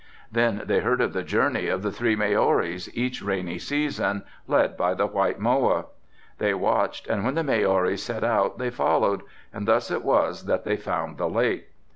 Then they heard of the journey of the three Maoris each rainy season, led by the white moa. They watched and when the Maoris set out they followed and thus it was that they found the lake.